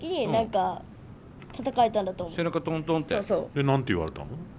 で何て言われたの？